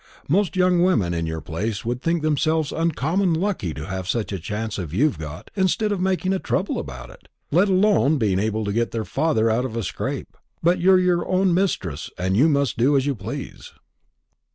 Most young women in your place would think themselves uncommon lucky to have such a chance as you've got, instead of making a trouble about it, let alone being able to get their father out of a scrape. But you're your own mistress, and you must do as you please."